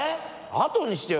あとにしてよ